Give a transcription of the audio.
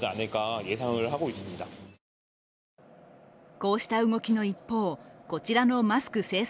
こうした動きの一方、こちらのマスク生産